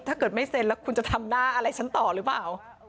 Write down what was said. ถ้าเกิดไม่เซ็นแล้วคุณจะทำหน้าอะไรฉันต่อหรือเปล่า